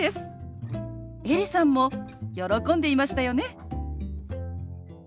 エリさんも喜んでいましたよね。